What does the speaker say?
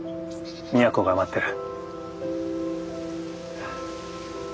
都が待ってる。